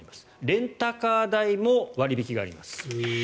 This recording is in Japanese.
レンタカー代も割引があります。